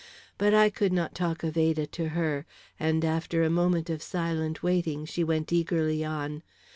But I could not talk of Ada to her, and after a moment of silent waiting she went eagerly on.